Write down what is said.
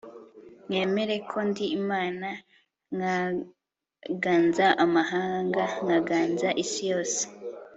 mwemere ko ndi imana, nkaganza amahanga, nkaganza isi yose